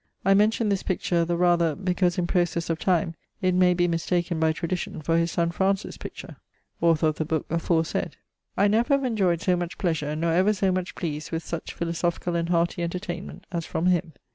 I mention this picture the rather, because in processe of time it may be mistaken by tradition for his son Francis's picture, author of the booke aforesayd. I never have enjoyed so much pleasure, nor ever so much pleased with such philosophicall and heartie entertainment as from him.